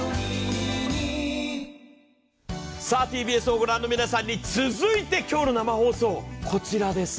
ＴＢＳを御覧の皆さんに続いてはこちらです。